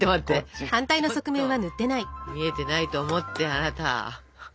ちょっと見えてないと思ってあなた。